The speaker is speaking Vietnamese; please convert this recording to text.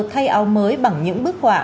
thay áo mới bằng những bức họa